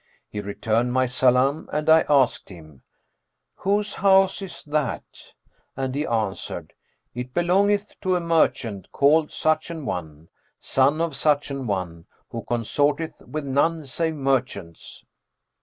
He returned my salam and I asked him, 'Whose house is that?' And he answered, 'It belongeth to a merchant called such an one, son of such an one, who consorteth with none save merchants.'